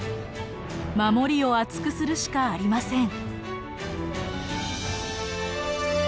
守りを厚くするしかありません。